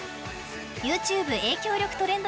ＹｏｕＴｕｂｅ影響力トレンド